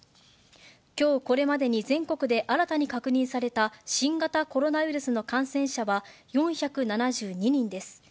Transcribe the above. きょうこれまでに全国で新たに確認された新型コロナウイルスの感染者は、４７２人です。